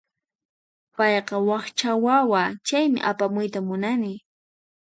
Payqa wakcha wawa, chaymi apamuyta munani.